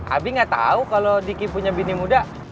abi gak tau kalo diki punya bini muda